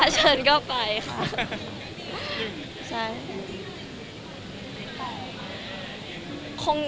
ถ้าเชิญก็ไปค่ะ